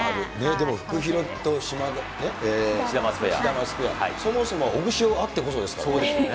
でもフクヒロとシダマツペア、そもそもオグシオあってこそですからね。